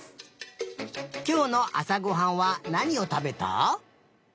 きょうのあさごはんはなにをたべた？